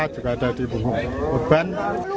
juga ada di punggung korban